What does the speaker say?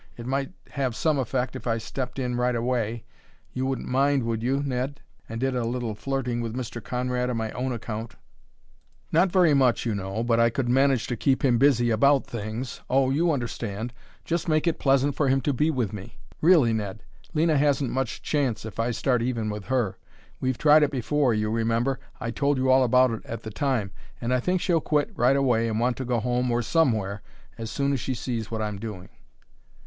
It might have some effect if I stepped in right away you wouldn't mind it, would you, Ned? and did a little flirting with Mr. Conrad on my own account; not very much, you know; but I could manage to keep him busy about things oh, you understand! just make it pleasant for him to be with me. Really, Ned, Lena hasn't much chance if I start even with her; we've tried it before you remember I told you all about it at the time and I think she'll quit right away and want to go home, or somewhere, as soon as she sees what I'm doing."